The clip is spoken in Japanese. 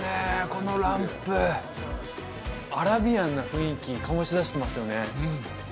このランプアラビアンな雰囲気醸し出してますよね